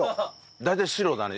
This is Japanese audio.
大体白だね。